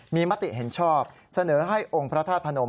มีมติเห็นชอบเสนอให้องค์พระธาตุพนม